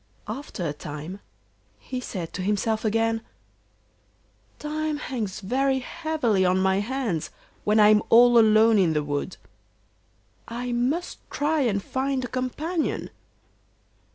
After a time he said to himself again: 'Time hangs very heavily on my hands when I'm all alone in the wood; I must try and find a companion.